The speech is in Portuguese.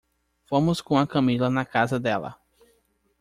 Fomos com a Camila na casa dela.